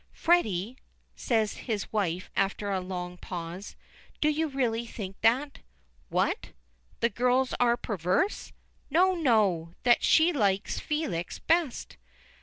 "Freddy," says his wife, after a long pause, "do you really think that?" "What? That girls are perverse?" "No, no! That she likes Felix best?"